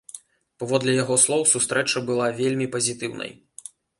Паводле яго слоў сустрэча была вельмі пазітыўнай.